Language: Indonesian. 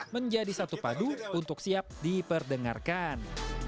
menjadi satu padu untuk siap diperdengarkan